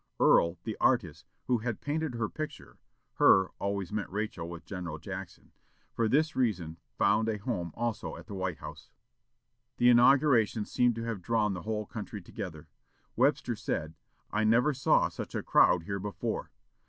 Earl, the artist, who had painted her picture ("her" always meant Rachel with General Jackson), for this reason found a home also at the White House. The inauguration seemed to have drawn the whole country together. Webster said, "I never saw such a crowd here before.